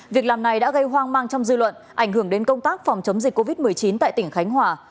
việc làm này đã gây hoang mang trong dư luận ảnh hưởng đến công tác phòng chống dịch covid một mươi chín tại tỉnh khánh hòa